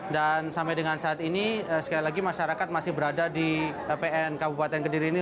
dan sampai dengan saat ini sekali lagi masyarakat masih berada di pn kabupaten kediri ini